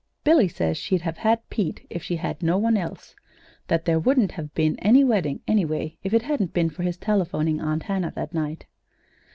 Billy says she'd have had Pete if she had no one else; that there wouldn't have been any wedding, anyway, if it hadn't been for his telephoning Aunt Hannah that night."